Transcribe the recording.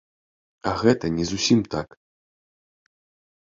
А гэта не зусім так.